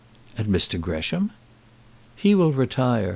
"And Mr. Gresham?" "He will retire.